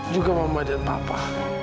juga mama dan papa